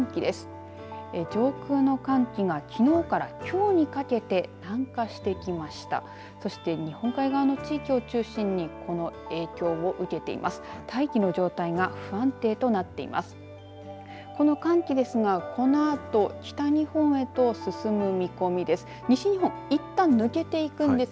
大気の状態が不安定となっています。